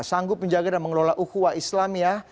sanggup menjaga dan mengelola uhuah islam ya